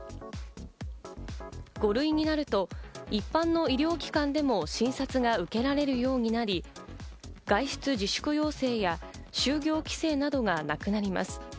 ５類になると一般の医療機関でも診察が受けられるようになり、外出自粛要請や就業規制などがなくなります。